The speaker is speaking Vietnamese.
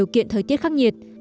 kiện thời tiết khắc nhiệt